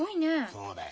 そうだよ。